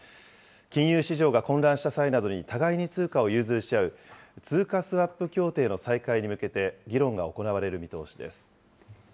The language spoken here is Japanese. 金融市場が混乱した際などに互いに通貨を融通し合う通貨スワップ協定の再開に向けて、議論が行われる見通しです。